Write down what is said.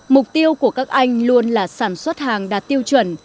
mục tiêu của các anh luôn là sản xuất hàng đạt tiêu chuẩn